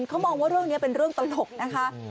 เขามองว่าเรื่องนี้เป็นเรื่องตลกนะคะ